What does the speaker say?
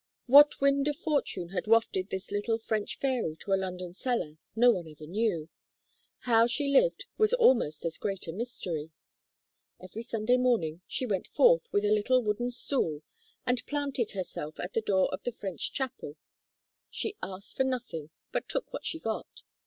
What wind of fortune had wafted this little French fairy to a London cellar, no one ever knew. How she lived, was almost as great a mystery. Every Sunday morning, she went forth, with a little wooden stool, and planted herself at the door of the French chapel; she asked for nothing, but took what she got.